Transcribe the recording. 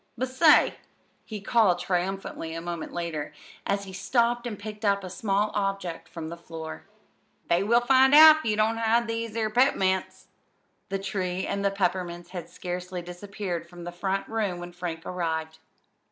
But, say," he called triumphantly a moment later, as he stooped and picked up a small object from the floor, "they will find out if you don't hide these 'ere pep'mints!" The tree and the peppermints had scarcely disappeared from the "front room" when Frank arrived.